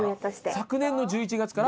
昨年の１１月から？